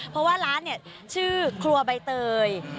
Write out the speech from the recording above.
เพราะว่าร้านเนี่ยชื่อครัวใบเตย